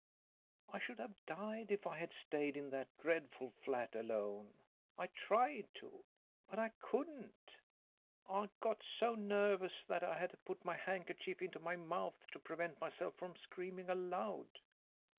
I should have died if I had stayed in that dreadful flat alone. I tried to, but I couldn't. I got so nervous that I had to put my handkerchief into my mouth to prevent myself from screaming aloud."